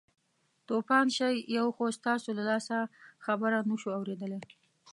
توپان شئ یو خو ستاسو له لاسه خبره نه شوو اورېدلی.